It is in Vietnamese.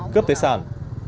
cướp tài sản